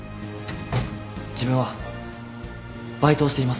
自分はバイトをしています。